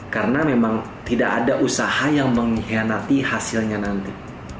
karena memang tidak ada usaha yang mengkhianati hasilnya nanti